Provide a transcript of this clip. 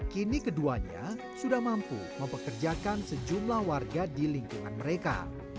kini keduanya sudah mampu mempekerjakan sejumlah warga di lingkungan mereka